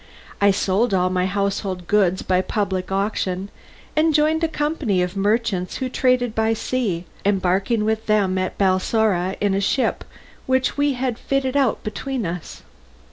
I sold all my household goods by public auction, and joined a company of merchants who traded by sea, embarking with them at Balsora in a ship which we had fitted out between us.